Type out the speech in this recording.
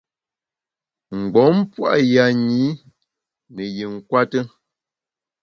Mgbom pua’ yanyi ne yi nkwete.